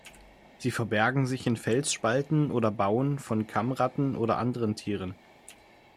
Sie verbergen sich in Felsspalten oder Bauen von Kammratten oder anderen Tieren.